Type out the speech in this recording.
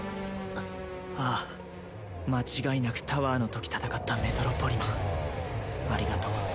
ああ間違いなくタワーのとき戦ったメトロポリマンありがとう